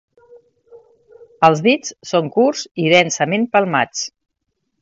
Els dits són curts i densament palmats.